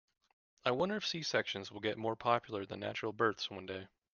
I wonder if C-sections will get more popular than natural births one day.